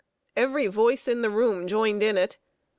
Every voice in the room joined in it.